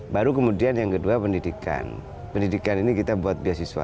baru kemudian yang kedua pendidikan pendidikan ini kita buat beasiswa